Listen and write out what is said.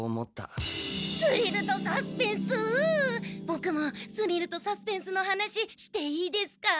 ボクもスリルとサスペンスの話していいですか？